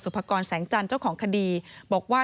พากรแสงจันทร์เจ้าของคดีบอกว่า